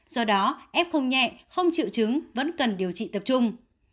do đó f không nhẹ không chịu chứng vẫn cần điều trị tập trung